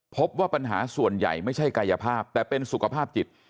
พบว่าปัญหาส่วนใหญ่ไม่ใช่กายภาพแต่เป็นสุขภาพจิต